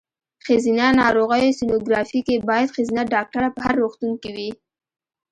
ښځېنه ناروغیو سینوګرافي کې باید ښځېنه ډاکټره په هر روغتون کې وي.